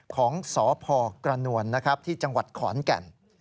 ของสพกรณวลนะครับที่จขแก่น